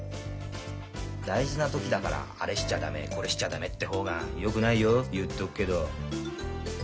大事な時だからあれしちゃ駄目これしちゃ駄目って方がよくないよ言っとくけど。